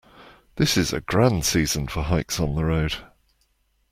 This is a grand season for hikes on the road.